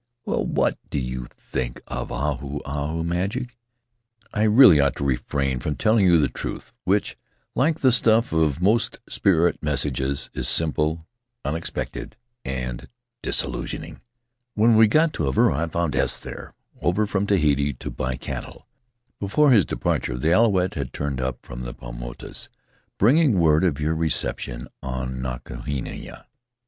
Well, what do you think of Ahu Ahu magic? I really ought to refrain from telling you the truth, which — like the stuff of most spirit messages — is simple, unexpected, and disillusioning. When we got to Avarua I found S there, over from Tahiti to buy cattle; before his departure the Alouette had turned up from the Paumotus, bringing word of your recep tion on Nukuhina.